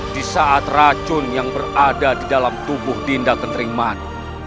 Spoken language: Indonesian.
di saat racun yang berada di dalam tubuh dinda kenteriman